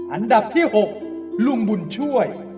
อันดับที่๖ลุงบุญช่วย